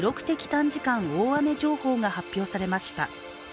短時間大雨情報が発表されました。